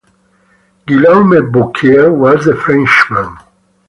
Guillaume Bouchier was the Frenchman.